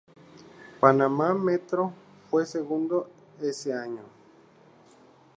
Panamá Metro, fue segundo, ese año.